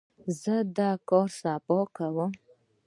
زه دا کار سبا کوم.